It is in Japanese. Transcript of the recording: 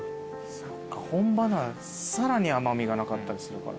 本場のはさらに甘味がなかったりするから。